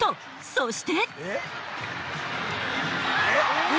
そして。